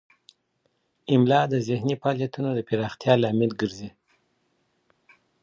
املا د ذهني فعالیتونو د پراختیا لامل ګرځي.